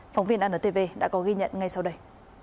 phóng viên antv đã có ghi nhận ngay sau đây